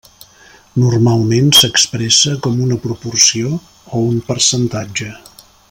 Normalment s'expressa com a una proporció o un percentatge.